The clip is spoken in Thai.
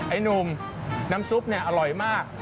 ไอ้หนุ่มน้ำซุปเนี่ยอร่อยมาก